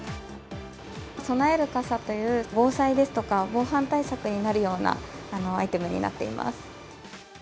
備える傘という、防災ですとか、防犯対策になるようなアイテムになっています。